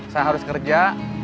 saya harus kerja